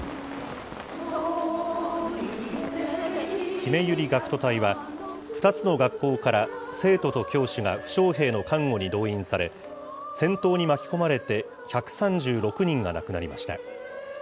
ひめゆり学徒隊は、２つの学校から生徒と教師が負傷兵の看護に動員され、戦闘に巻き込まれて、１３６人が亡くなりました。